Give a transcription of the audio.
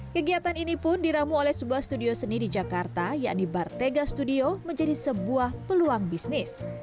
kegiatan ini pun diramu oleh sebuah studio seni di jakarta yakni bartega studio menjadi sebuah peluang bisnis